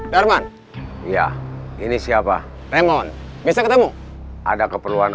darman iya ini siapa raymond bisa ketemu ada keperluan apa